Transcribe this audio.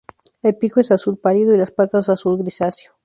El pico es azul pálido y las patas azul grisáceo.